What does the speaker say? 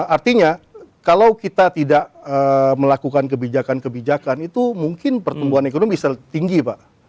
artinya kalau kita tidak melakukan kebijakan kebijakan itu mungkin pertumbuhan ekonomi bisa tinggi pak